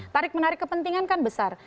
tarik menarik kepentingan kan besar